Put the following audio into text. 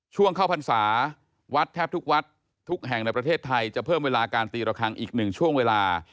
ช่วงเข้าพรรษาวัดแทบทุกวัดทุกแห่งในประเทศไทยจะเพิ่มเวลาการตีระคังอีกหนึ่งช่วงเวลา